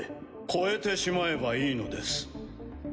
超えてしまえばいいのです。